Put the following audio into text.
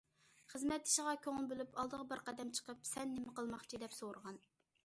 خىزمەتدىشىغا كۆڭۈل بۆلۈپ ئالدىغا بىر قەدەم چىقىپ« سەن نېمە قىلماقچى» دەپ سورىغان.